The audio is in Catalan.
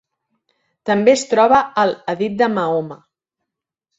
També es troba al hadit de Mahoma.